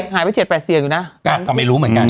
หายไป๗๘เสียงอยู่นะก็ไม่รู้เหมือนกัน